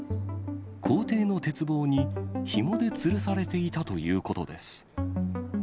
校庭の鉄棒に、ひもでつるされていたということです。